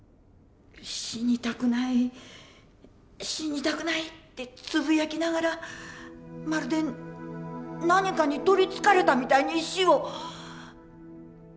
「死にたくない死にたくない」ってつぶやきながらまるで何かに取りつかれたみたいに石を。